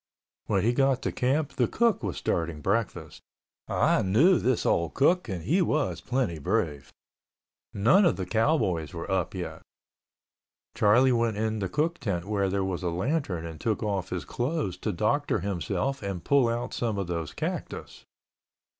When he got to camp, the cook was starting breakfast. (I knew this old cook and he was plenty brave.) None of the cowboys were up yet. Charlie went in the cook tent where there was a lantern and took off his clothes to doctor himself and pull out some of those cactus.